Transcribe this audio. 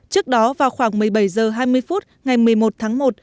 trước đó vào khoảng một mươi bảy h hai mươi phút ngày một mươi một tháng một